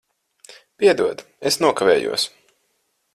Piedod, es nokavējos.